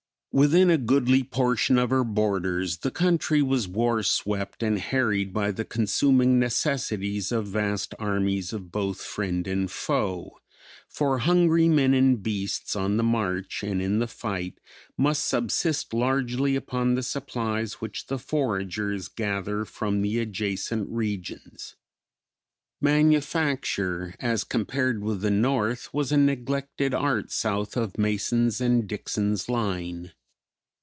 Within a goodly portion of her borders the country was war swept and harried by the consuming necessities of vast armies of both friend and foe; for hungry men and beasts on the march and in the fight must subsist largely upon the supplies which the foragers gather from the adjacent regions. Manufacture, as compared with the North, was a neglected art south of Mason's and Dixon's line.